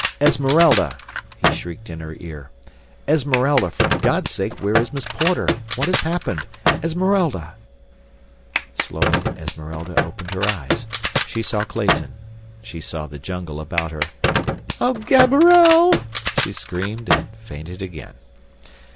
"Esmeralda!" he shrieked in her ear. "Esmeralda! For God's sake, where is Miss Porter? What has happened? Esmeralda!" Slowly Esmeralda opened her eyes. She saw Clayton. She saw the jungle about her. "Oh, Gaberelle!" she screamed, and fainted again.